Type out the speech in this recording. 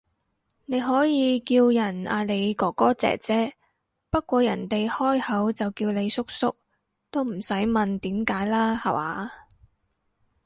你可以叫人嗌你哥哥姐姐，不過人哋開口就叫你叔叔，都唔使問點解啦下話